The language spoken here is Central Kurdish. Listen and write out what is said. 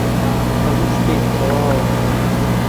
هەموو شتێک تەواوە.